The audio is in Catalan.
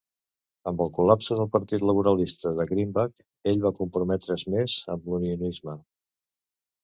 Amb el col·lapse del partit laborista de Greenback, ell va comprometre's més amb l'unionisme.